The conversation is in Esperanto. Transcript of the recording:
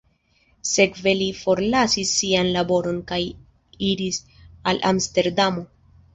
Sekve li forlasis sian laboron kaj iris al Amsterdamo.